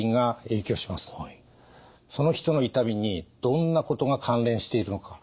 その人の痛みにどんなことが関連しているのか。